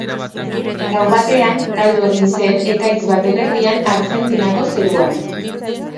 Gau batean, galdu egin zen ekaitz baten erdian Argentinako zeruan.